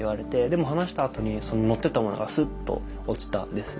でも話したあとにそののってたものがスッと落ちたんです。